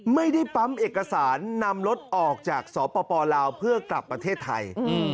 ไม่ได้ปั๊มเอกสารนำรถออกจากสปลาวเพื่อกลับประเทศไทย